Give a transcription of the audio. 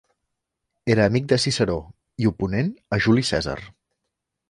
Era amic de Ciceró i oponent a Juli Cèsar.